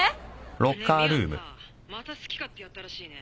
ねえミアさまた好き勝手やったらしいね。